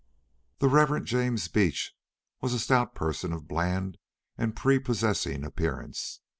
The Rev. James Beach was a stout person of bland and prepossessing appearance.